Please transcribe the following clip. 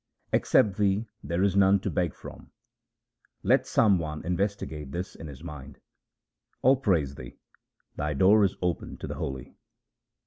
Except Thee there is none to beg from ; let some one investigate this in his mind. All praise Thee ; Thy door is open to the holy.